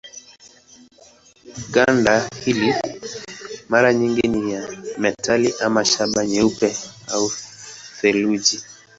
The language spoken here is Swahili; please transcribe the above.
Ganda hili mara nyingi ni ya metali ama shaba nyeupe au feleji.